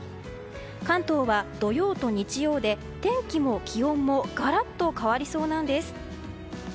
関東は土曜と日曜で天気も気温もガラッと変わりそうなんです。